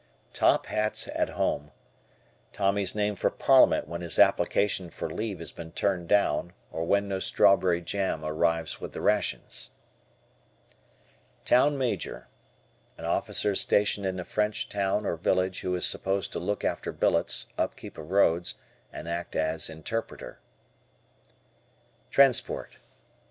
"Top Hats at Home," Tommy's name for Parliament when his application for leave has been turned down or when no strawberry jam arrives with the rations. Town Major. An officer stationed in a. French town or village who is supposed to look after billets, upkeep of roads, and act as interpreter. Transport.